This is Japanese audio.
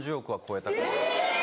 ・え